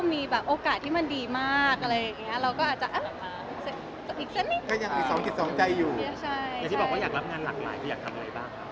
อย่างที่บอกว่าอยากรับงานหลากหลายคืออยากทำอะไรบ้างครับ